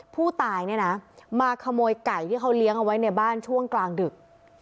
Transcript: ผู้ตายเนี่ยนะมาขโมยไก่ที่เขาเลี้ยงเอาไว้ในบ้านช่วงกลางดึก